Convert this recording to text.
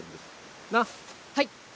はい！